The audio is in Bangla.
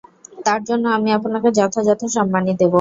তার জন্যে আমি আপনাকে যথাযথ সম্মানী দেব।